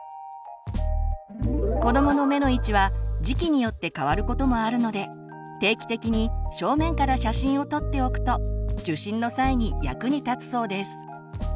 子どもの目の位置は時期によって変わることもあるので定期的に正面から写真を撮っておくと受診の際に役に立つそうです。